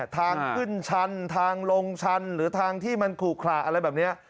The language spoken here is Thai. ทางขึ้นชันทางลงชันหรือทางที่มันขลุขระอะไรแบบนี้